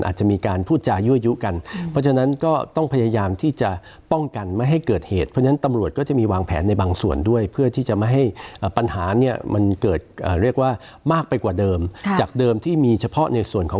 อาจจะมีการพูดจายุ้ยยุกัน